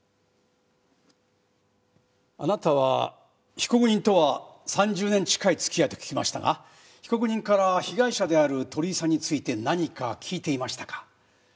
あなたは被告人とは３０年近い付き合いと聞きましたが被告人から被害者である鳥居さんについて何か聞いていましたか？